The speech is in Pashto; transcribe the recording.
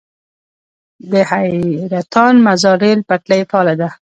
د حیرتان - مزار ریل پټلۍ فعاله ده؟